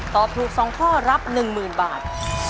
ตอบถูก๒ข้อรับ๑๐๐๐บาท